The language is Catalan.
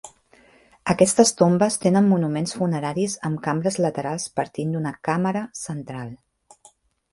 Aquestes tombes tenen monuments funeraris amb cambres laterals partint d'una càmera central.